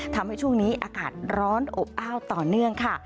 ทำให้ช่วงนี้อากาศร้อนอบอ้าวต่อเนื่องค่ะ